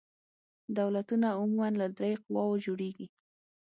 دولتونه عموماً له درې قواوو جوړیږي.